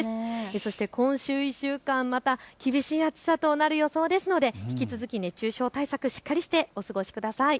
そして今週１週間また厳しい暑さとなる予想ですので引き続き熱中症対策、しっかりしてお過ごしください。